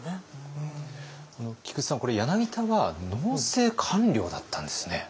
菊地さん柳田は農政官僚だったんですね。